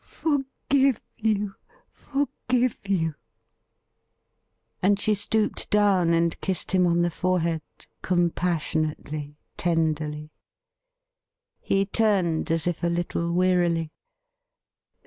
Forgive you! forgive you f And she stooped down and kissed him on the forehead, compassionately, tenderly. He turned as if a little wearily.